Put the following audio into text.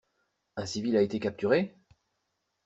Un civil a été capturé?!